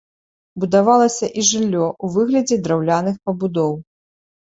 Будавалася і жыллё у выглядзе драўляных пабудоў.